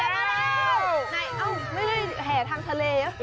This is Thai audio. อ้าวหนึ่งแหทางทะเล